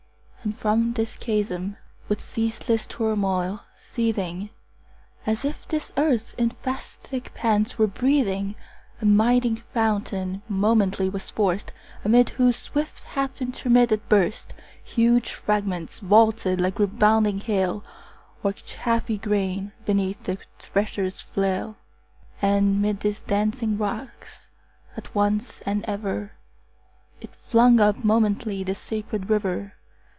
And from this chasm, with ceaseless turmoil seething, As if this earth in fast thick pants were breathing, A mighty fountain momently was forced; Amid whose swift half intermitted burst 20 Huge fragments vaulted like rebounding hail, Or chaffy grain beneath the thresher's flail: And 'mid these dancing rocks at once and ever It flung up momently the sacred river.